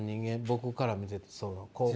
僕から見ててそう。